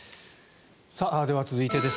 では、続いてです。